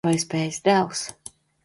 Vai spēsi, dēls?